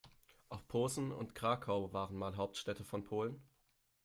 Auch Posen und Krakau waren mal Hauptstädte von Polen.